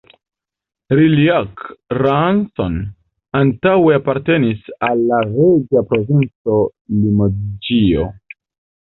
Rilhac-Rancon antaŭe apartenis al la reĝa provinco Limoĝio.